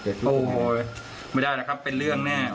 โอ้โหไม่ได้นะครับเป็นเรื่องแน่